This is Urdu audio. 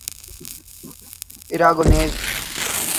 اراگونیز